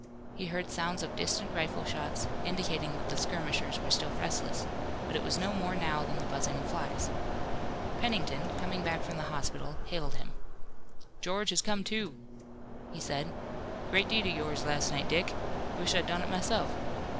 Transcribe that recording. He heard sounds of distant rifle shots, indicating that the skirmishers were still restless, but it was no more now than the buzzing of flies. Pennington, coming back from the hospital, hailed him. "George has come to," he said. "Great deed of yours last night, Dick. Wish I'd done it myself.